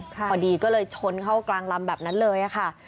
พอดีก็เลยชนเข้ากลางลำแบบนั้นเลยค่ะ